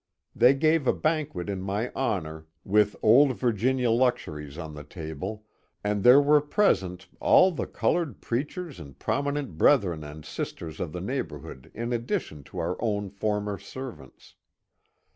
They gave a banquet in my honour, with old Virginia 302 MONCURE DANIEL CONWAY luxuries on the table, and there were present all the coloured preachers and prominent brethren and sisters of the neigh bourhood in addition to our own former servants.